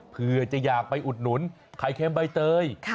เพื่อจะอยากไปอุดหนุนไข่เค็มใบเตย